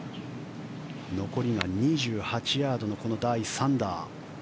残りが２８ヤードの第３打。